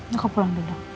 ya aku pulang dulu